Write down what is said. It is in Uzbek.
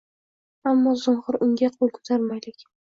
Ammo zinhor unga qo‘l ko‘tarmaylik.